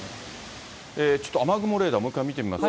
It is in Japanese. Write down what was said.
ちょっと雨雲レーダーもう一回見てみますか。